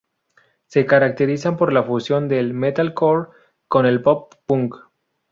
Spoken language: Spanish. Se caracterizan por la fusión del metalcore con el pop punk.